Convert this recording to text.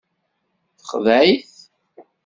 Texdeɛ-it.